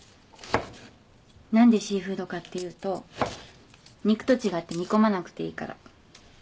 何でシーフードかっていうと肉と違って煮込まなくていいから。